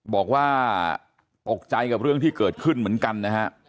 บอกว่าตกใจกับเรื่องที่เกิดขึ้นเหมือนกันนะฮะ